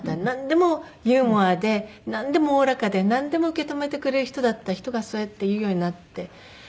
なんでもユーモアでなんでもおおらかでなんでも受け止めてくれる人だった人がそうやって言うようになって。